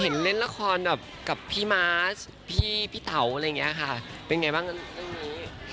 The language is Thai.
เล่นละครแบบกับพี่ม้าพี่เต๋าอะไรอย่างนี้ค่ะเป็นไงบ้างเรื่องนี้